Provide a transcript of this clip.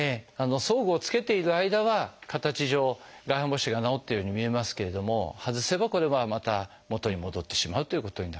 装具を着けている間は形上外反母趾が治ったように見えますけれども外せばこれはまた元に戻ってしまうということになります。